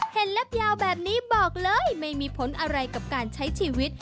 เล็บยาวแบบนี้บอกเลยไม่มีผลอะไรกับการใช้ชีวิต